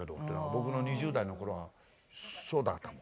僕の２０代の頃はそうだったかも。